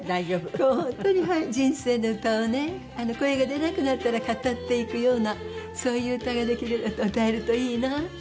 こう本当に人生の歌をね声が出なくなったら語っていくようなそういう歌ができる歌えるといいなって。